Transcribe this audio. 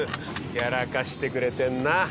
やらかしてくれてんな。